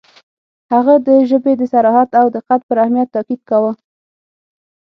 • هغه د ژبې د صراحت او دقت پر اهمیت تأکید کاوه.